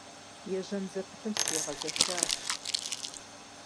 Ежьэн зэпытым сригъэшащ.